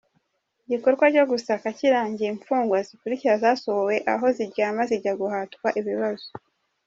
Igikorwa cyo gusaka kirangiye imfungwa zikurikira zasohowe aho ziryama zijya guhatwa ibibazo